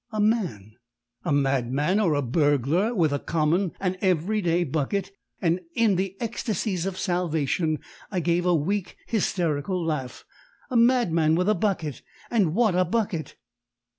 a man, a madman, or a burglar with a common, an every day bucket, and in the ecstasies of salvation I gave a weak, hysterical laugh! a madman with a bucket! and what a bucket!